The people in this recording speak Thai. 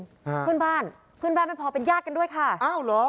ฮะพื้นบ้านพื้นบ้านเป็นพอเป็นยากกันด้วยค่ะอ้าวเหรอ